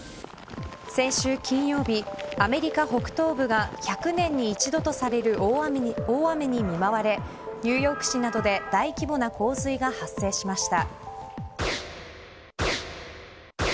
先週金曜日アメリカ北東部が１００年に一度とされる大雨に見舞われニューヨーク市などで大規模な洪水が発生しました。